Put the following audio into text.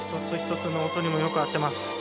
１つ１つの音にもよく合っています。